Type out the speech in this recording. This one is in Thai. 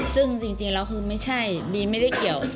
ซึ่งจริงแล้วคือไม่ใช่บีไม่ได้เกี่ยว